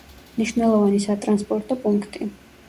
მნიშვნელოვანი სატრანსპორტო პუნქტი.